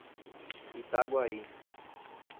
Itaguaí